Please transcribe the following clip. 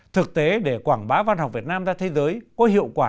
thực tế để quảng bá văn học việt nam ra thế giới có hiệu quả